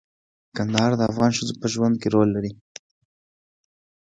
کندهار د افغان ښځو په ژوند کې رول لري.